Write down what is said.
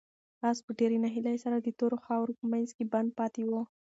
آس په ډېرې ناهیلۍ سره د تورو خاورو په منځ کې بند پاتې و.